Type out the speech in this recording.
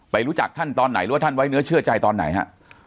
รู้จักท่านตอนไหนหรือว่าท่านไว้เนื้อเชื่อใจตอนไหนฮะ